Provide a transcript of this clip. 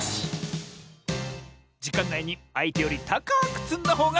じかんないにあいてよりたかくつんだほうがかちサボよ！